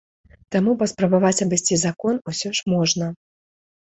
Таму паспрабаваць абысці закон усё ж можна.